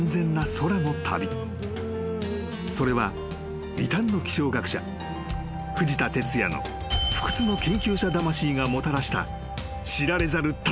［それは異端の気象学者藤田哲也の不屈の研究者魂がもたらした知られざる闘いの成果だった］